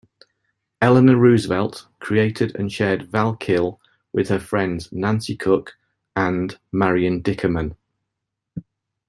Eleanor Roosevelt created and shared Val-Kill with her friends Nancy Cook and Marion Dickerman.